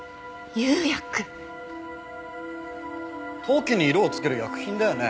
陶器に色を付ける薬品だよね？